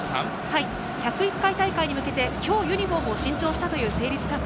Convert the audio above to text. １０１回大会に向けて、今日ユニホームを新調したという成立学園。